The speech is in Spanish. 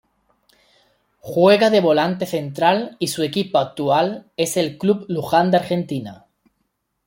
Juega de volante central y su equipo actual es el Club Luján de Argentina.